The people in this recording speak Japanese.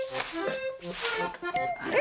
あれ⁉